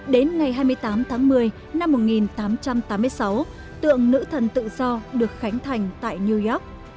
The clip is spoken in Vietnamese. đến ngày hai mươi tám tháng một mươi năm một nghìn tám trăm tám mươi sáu tượng nữ thần tự do được khánh thành tại new york